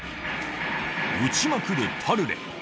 撃ちまくるタルレ。